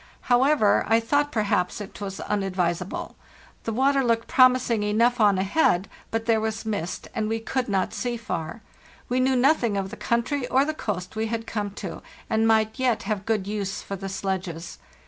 However, I thought, perhaps, it was unadvisable. The water looked promising enough on ahead, but there was mist, and we could not see far; we knew nothing of the country or the coast we had come to, and might yet have good use for the sledges.